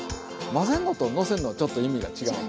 混ぜんのとのせんのはちょっと意味が違う。